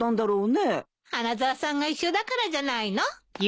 花沢さんが一緒だからじゃないの？